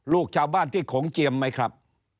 ลูกชาวบ้านที่โขงเจียมไหมครับ